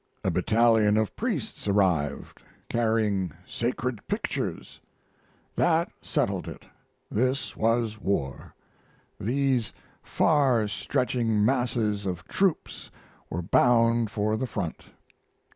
A battalion of priests arrived carrying sacred pictures. That settled it: this was war; these far stretching masses of troops were bound for the front.